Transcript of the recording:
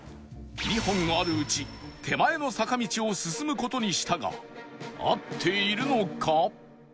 ２本あるうち手前の坂道を進む事にしたが合っているのか？